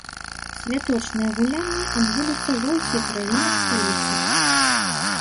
Святочныя гулянні адбудуцца ва ўсіх раёнах сталіцы.